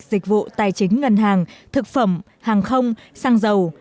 dịch vụ tài chính ngân hàng thực phẩm hàng không xăng dầu